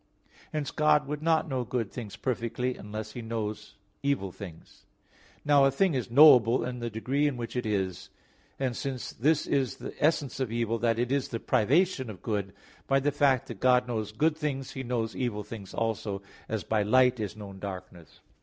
Hence God would not know good things perfectly, unless He also knew evil things. Now a thing is knowable in the degree in which it is; hence since this is the essence of evil that it is the privation of good, by the fact that God knows good things, He knows evil things also; as by light is known darkness.